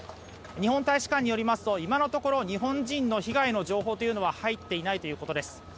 日本大使館によりますと今のところ、日本人の被害の情報は入っていないということです。